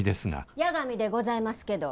八神でございますけど。